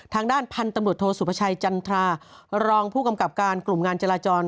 ทางด้านพันธุ์ตำรวจโทษสุภาชัยจันทรารองผู้กำกับการกลุ่มงานจราจร